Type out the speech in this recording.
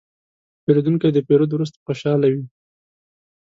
پیرودونکی د پیرود وروسته خوشاله و.